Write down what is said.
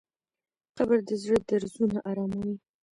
قبر د زړه درزونه اراموي.